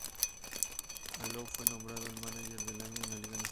Alou fue nombrado el mánager del año de la Liga Nacional.